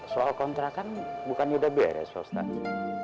soal kontrakan bukan udah beres pak ustadz